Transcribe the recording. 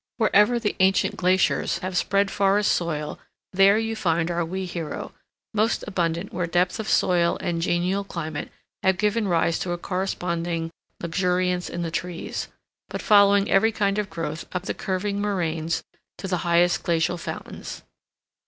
Wherever the ancient glaciers have spread forest soil there you find our wee hero, most abundant where depth of soil and genial climate have given rise to a corresponding luxuriance in the trees, but following every kind of growth up the curving moraines to the highest glacial fountains.